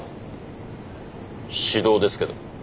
指導ですけど。